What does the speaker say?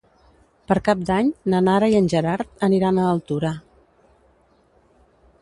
Per Cap d'Any na Nara i en Gerard aniran a Altura.